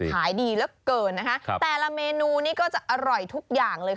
ขายดีเหลือเกินนะคะแต่ละเมนูนี้ก็จะอร่อยทุกอย่างเลย